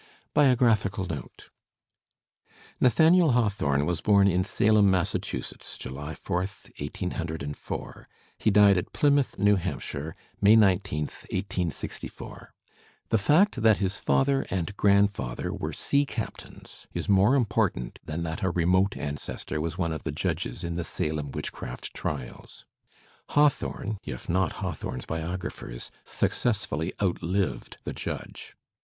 BIOGBAPHICAL NOTE Nathaniel Hawthorne was bom in Salem, Massachusetts, July 4, 1804. He died at Plymouth, New Hampshire, Digitized by Google HAWTHORNE 95 May 19, 1864. The fact that his father and grandfather were sea captains is more important than that a remote ancestor was one of the judges in the Salem witchcraft trials. Hawthorne, if not Hawthorne's biographers, sue cessfully outlived the judge.